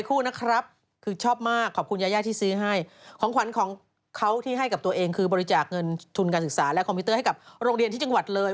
คือบริจากกับเงินทุนการศึกษาและคอมพิวเตอร์ให้กับโรงเรียนที่จังหวัดเลย